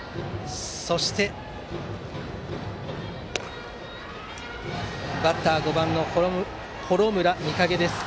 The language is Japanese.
そしてバッターは５番の幌村魅影。